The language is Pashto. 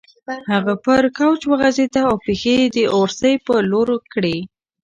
هغه پر کوچ وغځېده او پښې یې د اورسۍ په لور کړې.